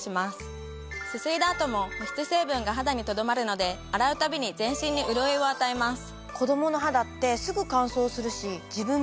すすいだ後も保湿成分が肌にとどまるので洗うたびに全身に潤いを与えます。